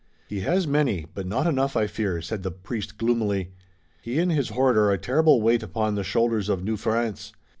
"He has many, but not enough, I fear," said the priest gloomily. "He and his horde are a terrible weight upon the shoulders of New France.